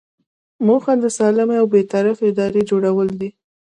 موخه د سالمې او بې طرفه ادارې جوړول دي.